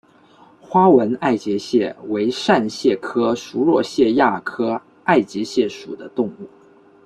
花纹爱洁蟹为扇蟹科熟若蟹亚科爱洁蟹属的动物。